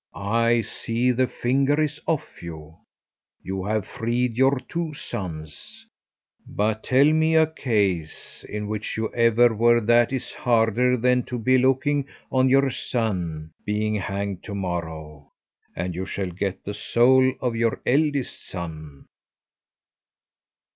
"I see the finger is off you. You have freed your two sons, but tell me a case in which you ever were that is harder than to be looking on your son being hanged tomorrow, and you shall get the soul of your eldest son."